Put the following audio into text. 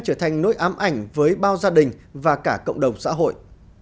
cảm ảnh với bao gia đình và cả cộng đồng xã hội